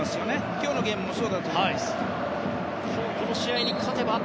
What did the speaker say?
今日のゲームもそうだと思います。